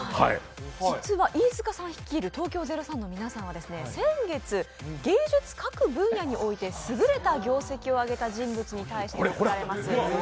実は飯塚さん率いる東京０３の皆さんは先月、芸術各分野においてすぐれた業績を上げた人物に対して送られます